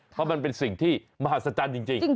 เพราะมันเป็นสิ่งที่มหัศจรรย์จริง